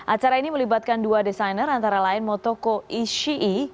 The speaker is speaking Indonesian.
acara ini melibatkan dua desainer antara lain motoko ishii